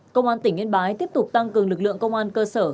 công an tỉnh yên bái tiếp tục tăng cường lực lượng công an cơ sở